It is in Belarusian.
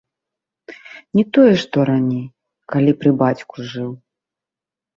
Не тое, што раней, калі пры бацьку жыў.